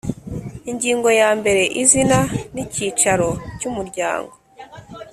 Ingingo ya mbere Izina n icyicaro cyumuryango